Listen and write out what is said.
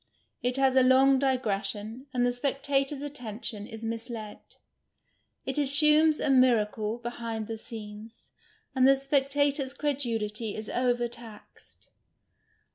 It has a long digression, and the speetator's attention is misled ; it assumes a miracle behind the scenes, and the spectator's credulity is over taxed.